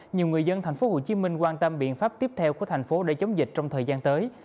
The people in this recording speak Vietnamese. nhiều người dân tp hcm quan tâm biện pháp tiếp theo của thành phố để chống dịch trong thời gian tới